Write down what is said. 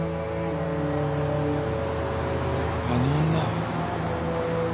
「あの女は」